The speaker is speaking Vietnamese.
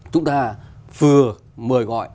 chúng ta vừa mời gọi